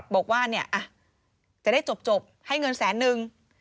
บอกว่าเนี่ยจะได้จบให้เงินแสนนึง